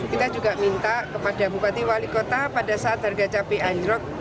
kita juga minta kepada bupati wali kota pada saat harga cabai anjlok